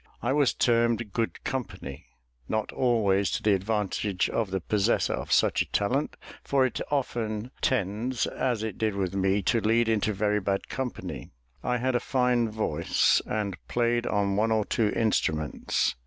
I was termed "good company," not always to the advantage of the possessor of such a talent; for it often tends, as it did with me, to lead into very bad company. I had a fine voice, and played on one or two instruments.